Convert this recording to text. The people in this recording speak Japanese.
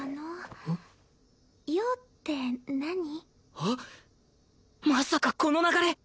あっまさかこの流れ